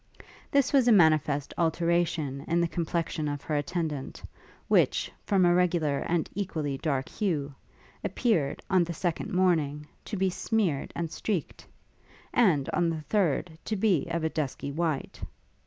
This was a manifest alteration in the complexion of her attendant, which, from a regular and equally dark hue, appeared, on the second morning, to be smeared and streaked; and, on the third, to be of a dusky white.